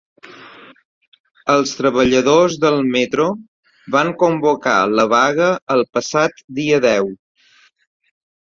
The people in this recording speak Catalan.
Els treballadors del metro van convocar la vaga el passat dia deu.